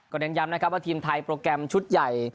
เน้นย้ำนะครับว่าทีมไทยโปรแกรมชุดใหญ่